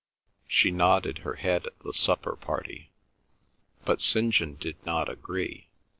She nodded her head at the supper party. But St. John did not agree.